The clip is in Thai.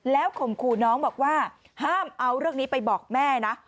ข่มขู่น้องบอกว่าห้ามเอาเรื่องนี้ไปบอกแม่นะ